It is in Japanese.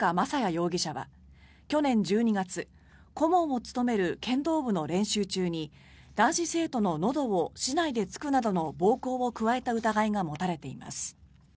容疑者は去年１２月顧問を務める剣道部の練習中に男子生徒ののどを竹刀で突くなどの暴行を加えた疑いが持たれています。